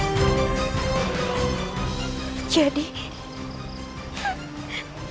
kita harus mencari aturan tersebut